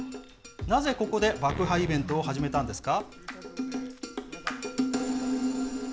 なぜ、ここで爆破イベントを始めたんですか？